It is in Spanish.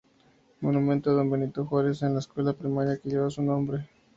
Monumento a Don Benito Juárez en la escuela primaria que lleva su nombre.